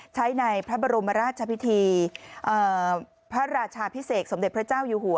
ใช้ในพระบรมราชพิธีพระราชาพิเศษสมเด็จพระเจ้าอยู่หัว